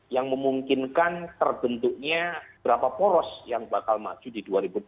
yang memungkinkan terbentuknya berapa poros yang bakal maju di dua ribu dua puluh